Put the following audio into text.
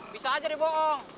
bisa aja dibohong